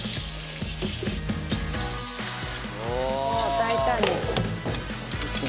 大胆に。